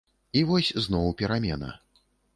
І вось зноў перамена.